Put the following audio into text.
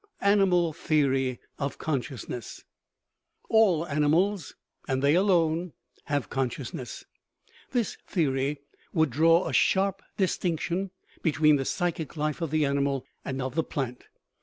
Animal theory of consciousness. All animals, arid they alone, have consciousness. This theory would draw a sharp distinction between the psychic life of the animal and of the plant.